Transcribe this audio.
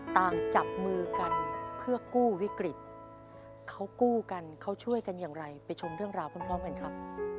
จับมือกันเพื่อกู้วิกฤตเขากู้กันเขาช่วยกันอย่างไรไปชมเรื่องราวพร้อมกันครับ